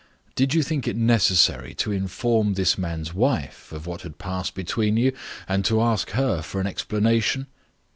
Did you think it necessary to inform this man's wife of what had passed between you, and to ask her for an explanation?"